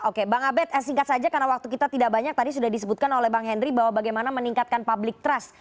oke bang abed singkat saja karena waktu kita tidak banyak tadi sudah disebutkan oleh bang henry bahwa bagaimana meningkatkan public trust